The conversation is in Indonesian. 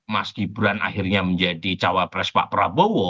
mas gibran akhirnya menjadi cawapres pak prabowo